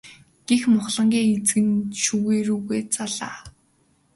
гэж мухлагийн эзэн шүүгээ рүүгээ заалаа.